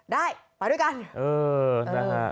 ได้ไปด้วยกัน